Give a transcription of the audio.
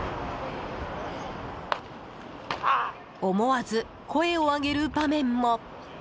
思わず声を上げる場面も。